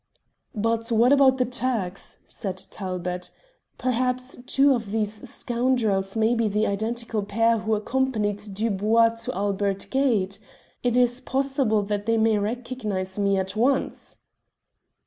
"But what about the Turks?" said Talbot. "Perhaps two of these scoundrels may be the identical pair who accompanied Dubois to Albert Gate. It is possible that they may recognize me at once."